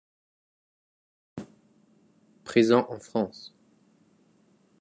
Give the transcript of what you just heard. Présent en France.